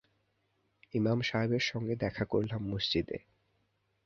ইমাম সাহেবের সঙ্গে দেখা করলাম মসজিদে।